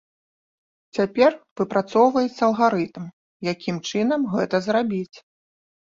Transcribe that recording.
Цяпер выпрацоўваецца алгарытм, якім чынам гэта зрабіць.